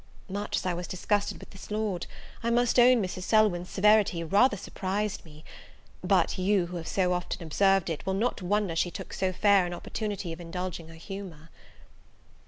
Much as I was disgusted with this Lord, I must own Mrs. Selwyn's severity rather surprised me: but you, who have so often observed it, will not wonder she took so fair an opportunity of indulging her humour.